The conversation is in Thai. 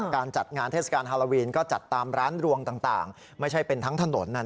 การจัดงานเทศกาลฮาโลวีนก็จัดตามร้านรวงต่างไม่ใช่เป็นทั้งถนน